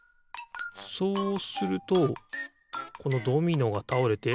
そうするとこのドミノがたおれて。